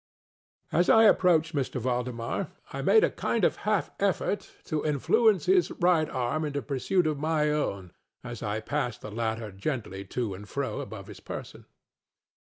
As I approached M. Valdemar I made a kind of half effort to influence his right arm into pursuit of my own, as I passed the latter gently to and fro above his person.